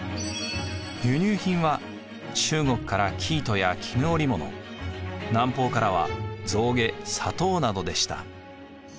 輸入品は中国から生糸や絹織物南方からは象牙・砂糖などでした。